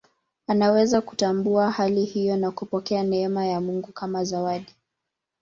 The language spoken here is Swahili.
Anaweza kutambua hali hiyo na kupokea neema ya Mungu kama zawadi.